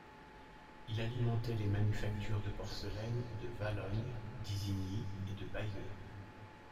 Il alimentait les manufactures de porcelaine de Valognes, d'Isigny et de Bayeux.